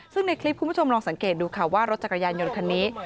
ซึ่งในคลิปคุณผู้ชมลองสังเกตดูค่ะว่ารถจักรยานยนต์คันนี้